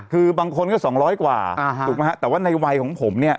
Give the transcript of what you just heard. คือบางคนก็๒๐๐กว่าถูกไหมฮะแต่ว่าในวัยของผมเนี่ย